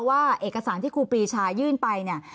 ว่าเอกสารที่ครูปรีชายื่นไปเนี่ย